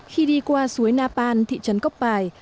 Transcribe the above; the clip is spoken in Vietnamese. khi đi qua suối napan thị trấn cốc bài